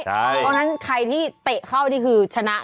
เพราะฉะนั้นใครที่เตะเข้านี่คือชนะ